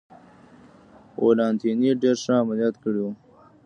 ولانتیني ډېر ښه عملیات کړي و.